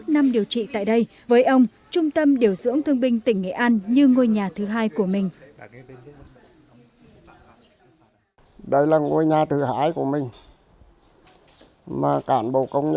hai mươi năm năm điều trị tại đây với ông trung tâm điều dưỡng thương binh tỉnh nghệ an như ngôi nhà thứ hai của mình